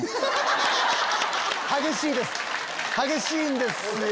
激しいんですよ。